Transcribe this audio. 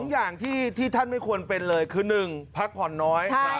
อย่างที่ท่านไม่ควรเป็นเลยคือ๑พักผ่อนน้อย